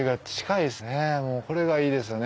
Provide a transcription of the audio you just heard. もうこれがいいですよね。